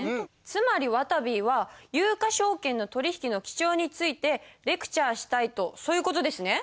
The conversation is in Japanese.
つまりわたびは有価証券の取引の記帳についてレクチャーしたいとそういう事ですね？